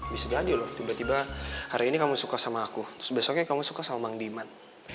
bisa jadi loh tiba tiba hari ini kamu suka sama aku terus besoknya kamu suka sama bang demand